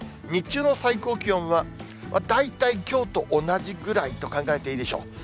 日中の最高気温は、大体きょうと同じぐらいと考えていいでしょう。